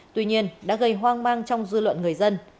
tuy nhiên đã gây hoang mang trong dư luận người dân